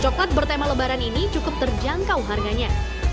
coklat bertema lebaran ini cukup terjangkau harganya